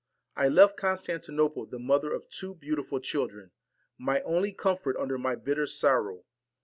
I left Constantinople the mother of two beautiful children, my only comfort under my bitter sorrow.